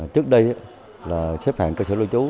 trước đây là xếp hạng cơ sở lưu trú